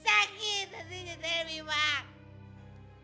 sakit hatinya selvi bang